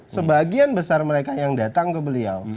sebagian besar mereka yang datang ke beliau